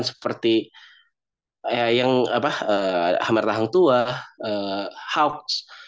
seperti yang apa hamar tahang tua hauks